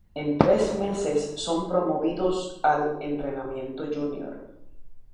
En tres meses son promovidos al "Entrenamiento Junior".